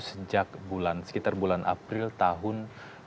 sejak sekitar bulan april tahun dua ribu empat belas